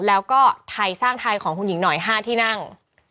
แล้วก็ไทยสร้างไทยของคุณหญิงหน่อย๕ที่นั่ง